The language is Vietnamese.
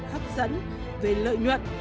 hấp dẫn về lợi nhuận